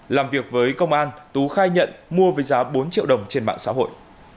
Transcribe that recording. làm việc với công an tú khai nhận mua với giá bốn triệu đồng trên mạng xã hội